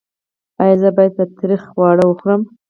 ایا زه باید تریخ خواړه وخورم؟